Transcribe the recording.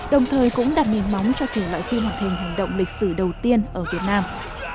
đồng thời cũng đặt mìn móng cho thể loại phim hoạt hình hành động lịch sử đầu tiên ở việt nam